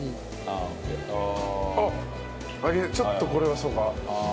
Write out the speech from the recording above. ちょっとこれはそうか。